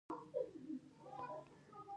د انارو شربت د تندې لپاره ښه دی.